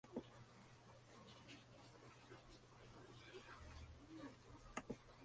Narra la infancia y juventud de William en un colegio isabelino.